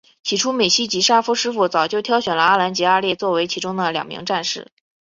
起初美希及沙夫师傅早就挑选了阿兰及阿烈作为其中两名战士。